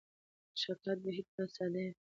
د شکایت بهیر باید ساده وي.